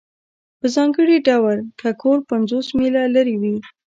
په ځانګړي ډول که کور پنځوس میله لرې وي